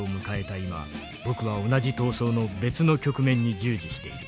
今僕は同じ闘争の別の局面に従事している。